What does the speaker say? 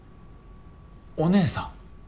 お姉さん。